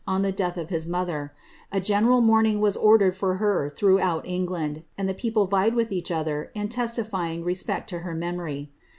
on the death of hia mo* A geneml monming waa ordered for her throughout England, he people ned with Mch other in testifying respect to her memory.'